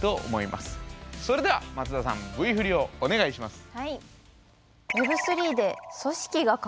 それでは松田さんＶ振りをお願いします。